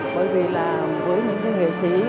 bởi vì là với những cái nghệ sĩ